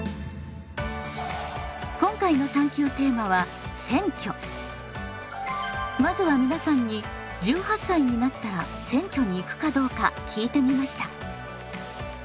今回のまずは皆さんに１８歳になったら選挙に行くかどうか聞いてみました。